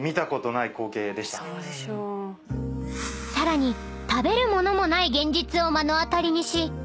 ［さらに食べる物もない現実を目の当たりにし］